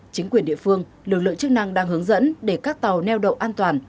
chính quyền địa phương lực lượng chức năng đang hướng dẫn để các tàu neo đậu an toàn